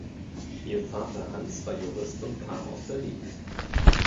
Ihr Vater Hans war Jurist und kam aus Berlin.